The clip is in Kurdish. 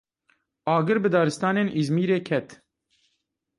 Agir bi daristanên Îzmîrê ket.